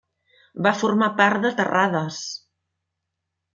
Va formar part de Terrades.